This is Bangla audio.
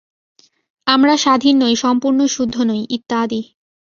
আমরা স্বাধীন নই, সম্পূর্ণ শুদ্ধ নই, ইত্যাদি।